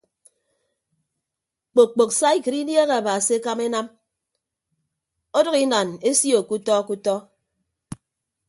Kpok kpok saikịd inieehe aba se ekama enam ọdʌk inan esio kutọ kutọ.